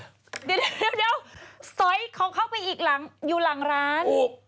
เดี๋ยวสอยของเขาไปอีกหลังอยู่หลังร้าน